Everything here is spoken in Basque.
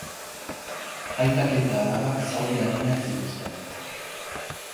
Aitak eta alabak zauri arinak zituzten.